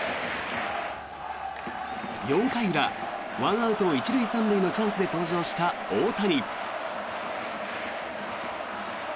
４回裏、１アウト１塁３塁のチャンスで登場した大谷。